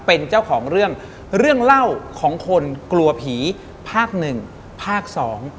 เป็นเจ้าของเรื่องเรื่องเล่าของคนกลัวผีภาคหนึ่งภาคสอง